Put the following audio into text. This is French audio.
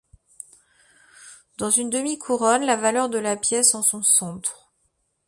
Dans une demi couronne la valeur de la pièce en son centre.